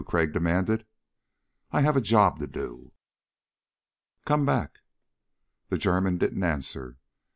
Crag demanded. "I have a job to do." "Come back." The German didn't answer.